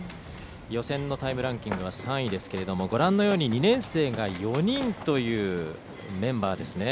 予選のタイムランキングは３位ですが２年生が４人というメンバーですね。